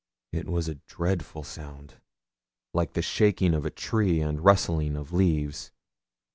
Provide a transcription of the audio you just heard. It was a dreadful sound, like the shaking of a tree and rustling of leaves.